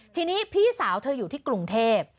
ทีนี้พี่สาวเธออยู่ที่กรุงเทพ